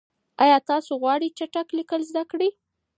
آیا تاسو غواړئ چټک لیکل زده کړئ؟